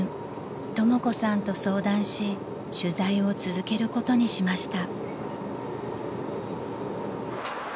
［とも子さんと相談し取材を続けることにしました］